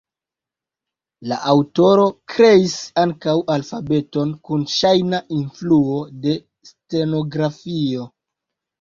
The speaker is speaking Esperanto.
La aŭtoro kreis ankaŭ alfabeton kun ŝajna influo de stenografio.